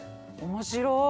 面白い。